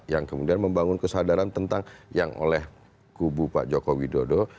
yang kemudian membangun kesadaran tentang yang oleh kubu pak joko widodo